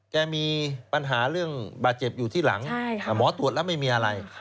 มีปัญหาเรื่องบาดเจ็บอยู่ที่หลังหมอตรวจแล้วไม่มีอะไร